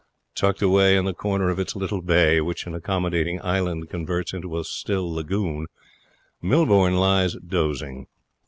Tucked away in the corner of its little bay, which an accommodating island converts into a still lagoon, Millbourne lies dozing.